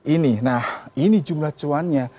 ini nah ini jumlah cuannya